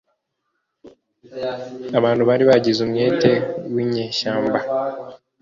abantu bari bagize umwete winyeshyamba